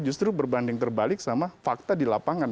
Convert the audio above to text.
justru berbanding terbalik sama fakta di lapangan